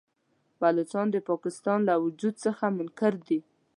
بلوڅان د پاکستان له وجود څخه منکر دي.